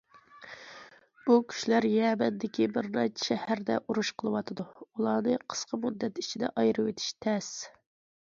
بۇ كۈچلەر يەمەندىكى بىر نەچچە شەھەردە ئۇرۇش قىلىۋاتىدۇ، ئۇلارنى قىسقا مۇددەت ئىچىدە ئايرىۋېتىش تەس.